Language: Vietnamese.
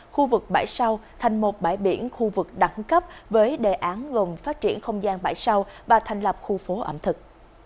khu vực bãi sau thành một bãi biển khu vực đẳng cấp với đề án gồm phát triển không gian bãi sau và thành lập khu phố ẩm thực